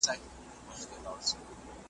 هره ورځ له قهره نه وو پړسېدلی ,